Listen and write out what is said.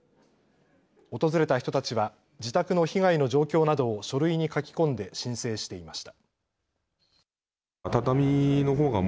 訪れた人たちは自宅の被害の状況などを書類に書き込んで申請していました。